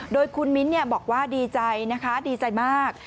โดยคุณมิ้นท์บอกว่าดีใจนะคะดีใจมาก